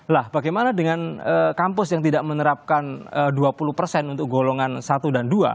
lah bagaimana dengan kampus yang tidak menerapkan dua puluh persen untuk golongan satu dan dua